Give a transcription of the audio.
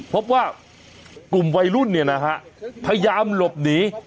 พบว่ากลุ่มวัยรุ่นเนี่ยนะฮะพยายามหลบหนี